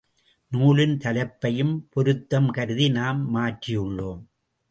நூலின் தலைப்பையும் பொருத்தம் கருதி நாம் மாற்றியுள்ளோம்.